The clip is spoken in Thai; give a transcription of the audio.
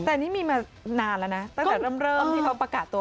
แต่นี่มีมานานแล้วนะตั้งแต่เริ่มที่เขาประกาศตัว